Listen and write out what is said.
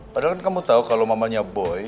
padahal kamu tau kalo mamanya boy